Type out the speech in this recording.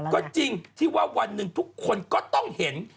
ก็จริงที่ว่าวันหนึ่งทุกคนก็ต้องเห็น